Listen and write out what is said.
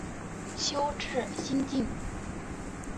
修智心净。